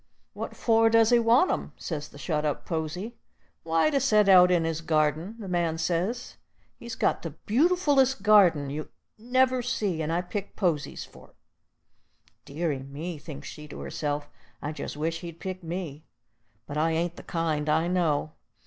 "What for does he want 'em?" says the shet up posy. "Why, to set out in his gardin," the man says. "He's got the beautif'lest gardin you never see, and I pick posies for't." "Deary me," thinks she to herself, "I jest wish he'd pick me. But I ain't the kind, I know."